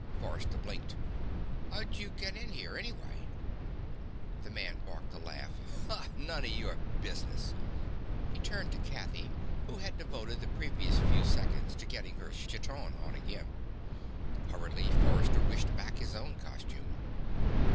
Forrester blinked. "How'd you get in here, anyway?" The man barked a laugh. "None of your business." He turned to Kathy, who had devoted the previous few seconds to getting her chiton on again. Hurriedly, Forrester wished back his own costume.